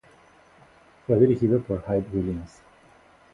Fue dirigido por Hype Williams.